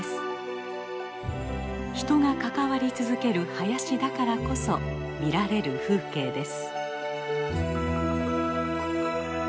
人が関わり続ける林だからこそ見られる風景です。